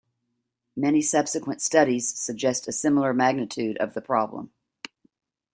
Many subsequent studies suggest a similar magnitude of the problem.